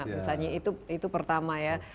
misalnya itu pertama ya